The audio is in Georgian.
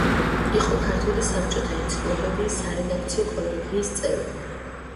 იყო ქართული საბჭოთა ენციკლოპედიის სარედაქციო კოლეგიის წევრი.